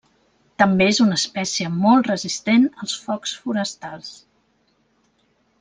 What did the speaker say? També és una espècie molt resistent als focs forestals.